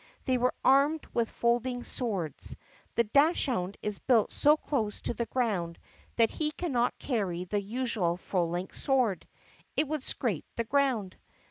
They were armed with folding swords. The dachs hund is built so close to the ground that he cannot carry the usual full length sword; it would scrape the ground.